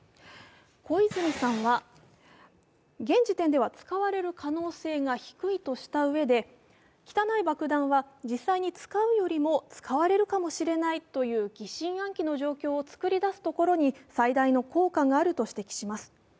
小泉さんは、現時点では使われる可能性が低いとしたうえで汚い爆弾は実際に使うよりも使われるかもしれないという疑心暗鬼の状況を作り出すところに最大の効果があると指摘します。